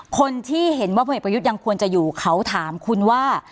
คนที่เห็นว่าพลเอกประยุทธ์ยังควรจะอยู่เขาถามคุณว่า